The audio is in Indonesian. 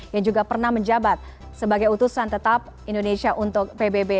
yang juga pernah menjabat sebagai utusan tetap indonesia untuk pbb